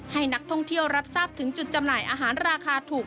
ให้นักท่องเที่ยวรับทราบถึงจุดจำหน่ายอาหารราคาถูก